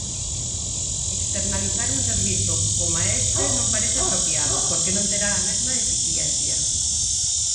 Externalizar un servizo coma este non parece apropiado, porque non terá a mesma eficiencia.